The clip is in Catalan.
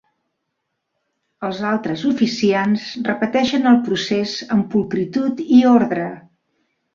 Els altres oficiants repeteixen el procés amb pulcritud i ordre.